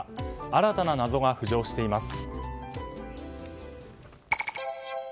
新たな謎が浮上しています。